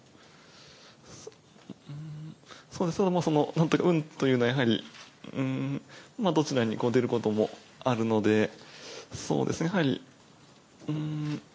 なんというか運というのはやはり、どちらに出ることもあるので、そうですね、やはり。